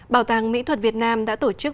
bảo tàng mỹ thuật việt nam đã tổ chức